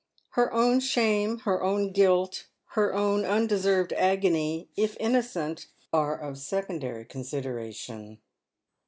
Her own shame, her own guilt, her own undeserved agony, if innocent, are of secondary considera tion.